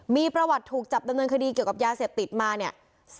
มีประวัติถูกจับดำเนินคดีเกี่ยวกับยาเสพติดมาเนี่ย